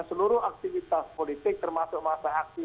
seluruh aktivitas politik termasuk mata aktivitas